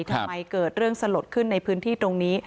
ทำไมเกิดเรื่องสลดขึ้นในพื้นที่ตรงนี้